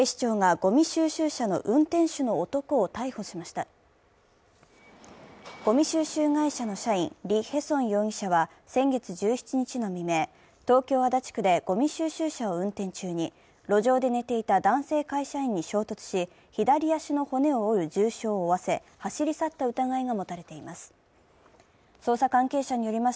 ごみ収集会社の社員、リ・ヘソン容疑者は先月１７日の未明、東京・足立区でごみ収集車を運転中に路上で寝ていた男性会社員の衝突し、左足の骨を折る重傷を負わせ、走り去った疑いが持たれています。